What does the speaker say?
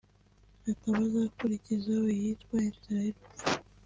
akaba azakurikizaho iyitwa ’Inzira y’urupfu’